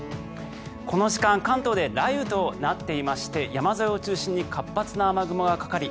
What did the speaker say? この時間、関東で雷雨となっていまして山沿いを中心に活発な雨雲がかかり